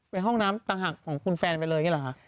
ห้องน้ำต่างหากของคุณแฟนไปเลยอย่างนี้เหรอคะ